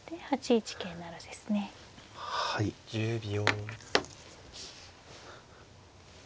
１０秒。